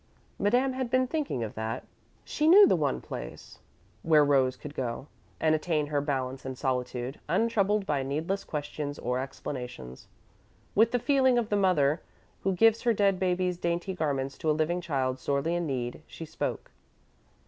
Madame had been thinking of that. She knew the one place where Rose could go, and attain her balance in solitude, untroubled by needless questions or explanations. With the feeling of the mother who gives her dead baby's dainty garments to a living child sorely in need, she spoke.